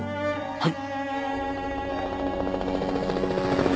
はい。